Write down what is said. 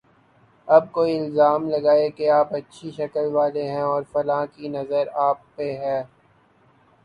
اب کوئی الزام لگائے کہ آپ اچھی شکل والے ہیں اور فلاں کی نظر آپ پہ ہے۔